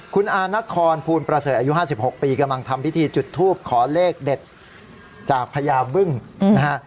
คุณอานครภูลประเสริฐอายุ๕๖ปีกำลังทำพิธีจุดทูปขอเลขเด็ดจากพญาบึ้งนะฮะ